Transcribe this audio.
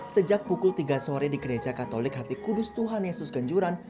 sejak pukul tiga sore di gereja katolik hati kudus tuhan yesus kenjuran